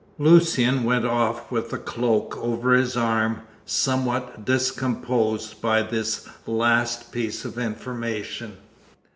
Lucian went off with the cloak over his arm, somewhat discomposed by this last piece of information.